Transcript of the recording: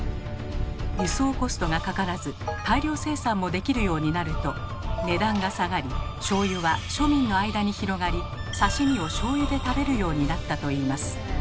輸送コストがかからず大量生産もできるようになると値段が下がりしょうゆは庶民の間に広がり刺身をしょうゆで食べるようになったといいます。